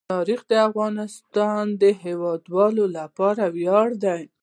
تاریخ د افغانستان د هیوادوالو لپاره ویاړ دی.